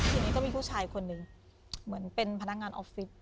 ทีนี้ก็มีผู้ชายคนหนึ่งเหมือนเป็นพนักงานออฟฟิศ